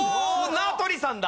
名取さんだ！